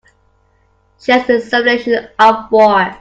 Chess is a simulation of war.